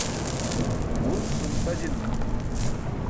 Ġulk cum sa jil manimi.